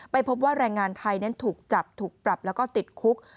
พบว่าแรงงานไทยนั้นถูกจับถูกปรับแล้วก็ติดคุก